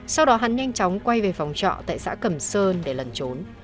sau đó hắn nhanh chóng quay về phòng trọ tại xã cẩm sơn để lần trốn